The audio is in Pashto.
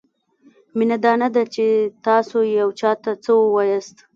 مینه دا نه ده؛ چې تاسو یو چاته څه وایاست؛